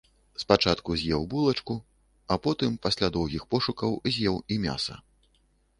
Спачатку з'еў булачку, а потым, пасля доўгіх пошукаў, з'еў і мяса.